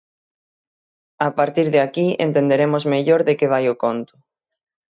A partir de aquí entenderemos mellor de que vai o conto...